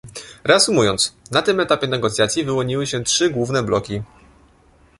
Reasumując, na tym etapie negocjacji wyłoniły się trzy główne bloki